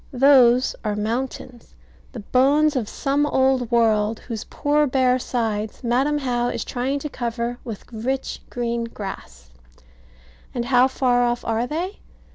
Those are mountains; the bones of some old world, whose poor bare sides Madam How is trying to cover with rich green grass. And how far off are they?